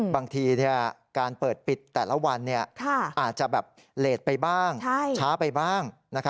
บางทีการเปิดปิดแต่ละวันอาจจะแบบเลสไปบ้างช้าไปบ้าง